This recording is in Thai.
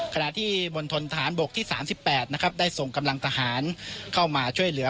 ขณะที่บนทนฐานบกที่๓๘นะครับได้ส่งกำลังทหารเข้ามาช่วยเหลือ